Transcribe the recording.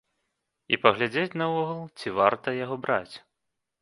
І паглядзець наогул, ці варта яго браць.